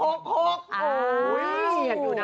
โอ้ยอยากดูนะ